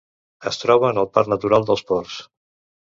Es troben al Parc Natural dels Ports.